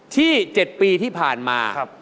ที่๗ปีที่ผ่านมา